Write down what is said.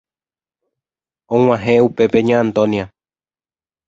Og̃uahẽ upépe Ña Antonia.